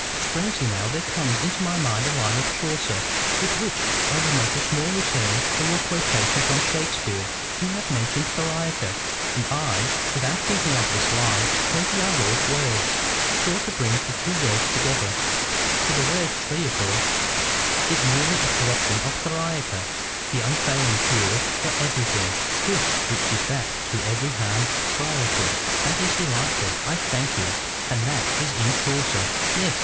"Strangely now, there comes into my mind a line of Chaucer, with which I will make a small return for your quotation from Shakespeare; you have mentioned theriaca; and I, without thinking of this line, quoted our Lord's words. Chaucer brings the two together, for the word triacle is merely a corruption of theriaca, the unfailing cure for every thing. 'Crist, which that is to every harm triacle.'" "That is delightful: I thank you. And that is in Chaucer?" "Yes.